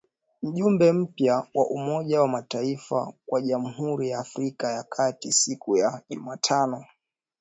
Mjumbe mpya wa Umoja wa mataifa kwa Jamhuri ya Afrika ya kati siku ya Jumatano.